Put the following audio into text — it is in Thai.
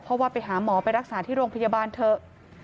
เพราะว่าไปหาหมอไปรักษาที่โรงพยาบาลเถอะ